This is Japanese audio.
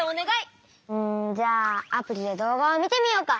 うんじゃあアプリで動画を見てみようか？